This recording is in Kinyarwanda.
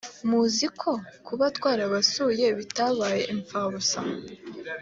muzi ko kuba twarabasuye bitabaye imfabusa